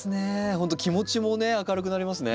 ほんと気持ちもね明るくなりますね。